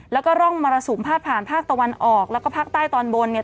แล้วก็ร่องมรสุมพาดผ่านภาคตะวันออกแล้วก็ภาคใต้ตอนบนเนี่ย